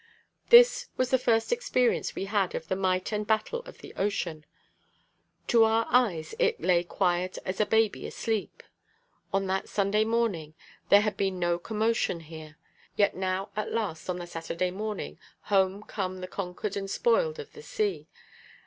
This was the first experience we had of the might and battle of the ocean. To our eyes it lay quiet as a baby asleep. On that Sunday morning there had been no commotion here. Yet now at last, on the Saturday morning, home come the conquered and spoiled of the sea.